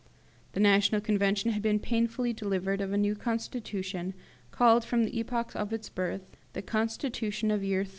The National Convention had been painfully delivered of a new constitution, called, from the epoch of its birth, "the Constitution of Year III."